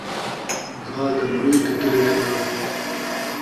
ذال دا مرید تے دلوچہ خراب